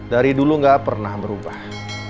dari dulu gak pernah berubah